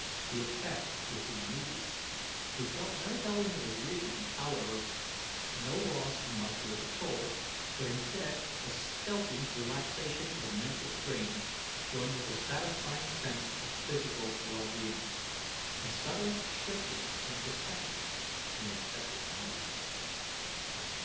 The effect was immediate. He felt no dulling of his reason, however; no loss of muscular control, but instead a stealthy relaxation of mental strain joined with a satisfying sense of physical well being. A subtle shifting in prospective, in accepted values.